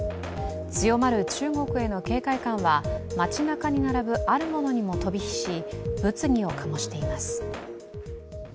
強まる中国への警戒感は街なかに並ぶあるものにも飛び火し物議を醸しています。